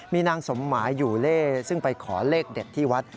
มีนางสมหมายอยู่เล่ซึ่งไปขอเลขเด็ดที่วัด